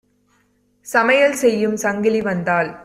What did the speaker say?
சமையல் செய்யும் சங்கிலி வந்தாள்!